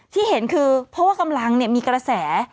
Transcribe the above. ที่เห็นคือเพราะว่ากำลังมีกระแส